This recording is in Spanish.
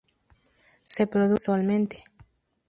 Se reproducen sexualmente.